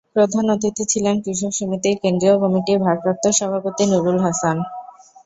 প্রধান অতিথি ছিলেন কৃষক সমিতির কেন্দ্রীয় কমিটির ভারপ্রাপ্ত সভাপতি নুরুল হাসান।